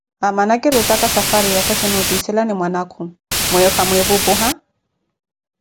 Amana kirutaka safwariyaka, kinuutiselani mwanakhu, mweyo kamweepu opuha?